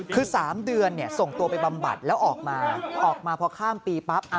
คือ๓เดือนส่งตัวไปบำบัดแล้วออกมาออกมาพอข้ามปีปั๊บ